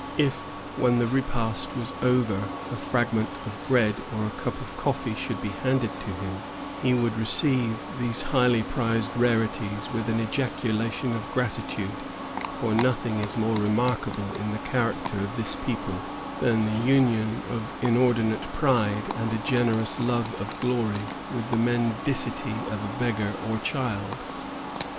If, when the repast was over, a fragment of bread or a cup of coffee should be handed to him, he would receive these highly prized rarities with an ejaculation of gratitude; for nothing is more remarkable in the character of this people than the union of inordinate pride and a generous love of glory with the mendicity of a beggar or a child.